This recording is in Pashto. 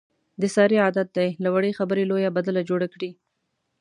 د سارې عادت دی، له وړې خبرې لویه بدله جوړه کړي.